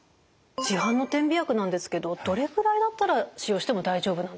市販の点鼻薬なんですけどどれぐらいだったら使用しても大丈夫なんですか？